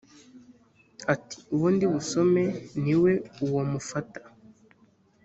ati uwo ndi busome ni we uwo mumufate